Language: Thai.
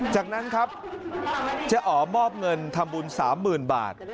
จากนั้นครับเจ๊อ๋อมอบเงินทำบุญ๓๐๐๐บาท